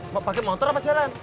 pakai motor apa jalan